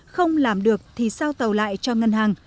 không làm được thì sao tàu lại cho ngân hàng